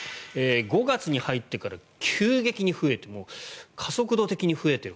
５月に入ってから急激に増えて加速度的に増えている。